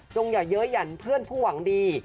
อย่าเยอะหยั่นเพื่อนผู้หวังดี